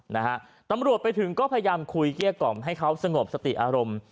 นะฮะตำรวจไปถึงก็พยายามคุยเกลี้ยกล่อมให้เขาสงบสติอารมณ์